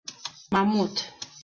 Мамут.